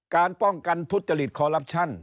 การป้องกันทุจริตคอลลับชั่น